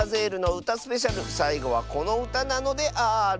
スペシャルさいごはこのうたなのである。